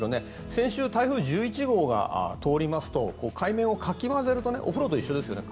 先週、台風１１号が通りますと海面をかき混ぜるとねお風呂と一緒ですよね